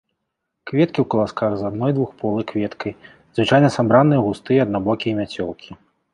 Кветкі ў каласках з адной двухполай кветкай, звычайна сабраныя ў густыя аднабокія мяцёлкі.